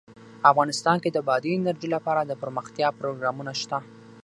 افغانستان کې د بادي انرژي لپاره دپرمختیا پروګرامونه شته.